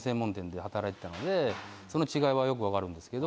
のでその違いはよく分かるんですけど。